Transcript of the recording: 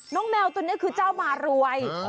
แมวตัวนี้คือเจ้ามารวย